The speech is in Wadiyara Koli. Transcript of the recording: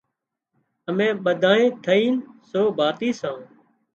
اَمين ٻڌانئين ٿئينَ سو ڀاتِي سان۔